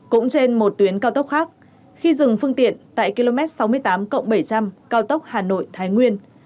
cũng trên một tuyến cao tốc khác khi dừng phương tiện tại km sáu mươi tám bảy trăm linh cao tốc hà nội thái nguyên